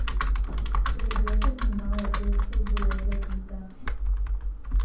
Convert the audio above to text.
Пры гэтым нямала персаў было забіта.